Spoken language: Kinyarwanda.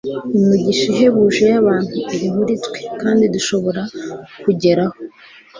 Imigisha ihebuje y'abantu iri muri twe kandi dushobora kugeraho.